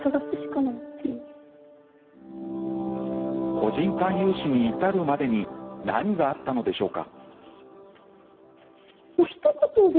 個人間融資に至るまでに何があったのでしょうか。